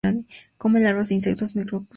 Come larvas de insectos y micro crustáceos.